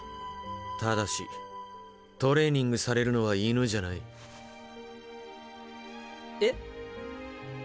ただしトレーニングされるのは犬じゃない。えっ！？